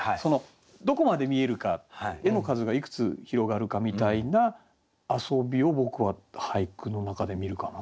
どこまで見えるか絵の数がいくつ広がるかみたいな遊びを僕は俳句の中で見るかな。